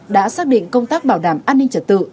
đã xác định công tác bảo đảm an ninh trật tự